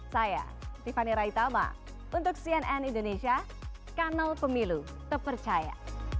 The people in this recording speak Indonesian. saya tiffany raitama untuk cnn indonesia kanal pemilu terpercaya